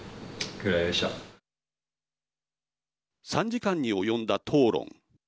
３時間に及んだ討論。